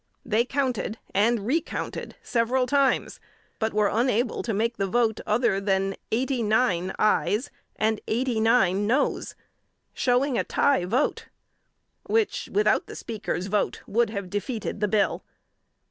They counted and re counted several times, but were unable to make the vote other than "eighty nine ayes, and eighty nine noes" showing a tie vote; which, without the Speaker's vote, would have defeated the bill.